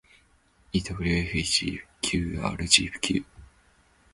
ewfegqrgq